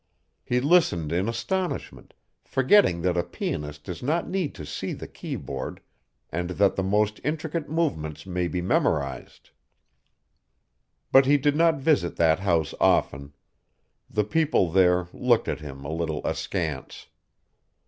He listened in astonishment, forgetting that a pianist does not need to see the keyboard and that the most intricate movements may be memorized. But he did not visit that house often. The people there looked at him a little askance.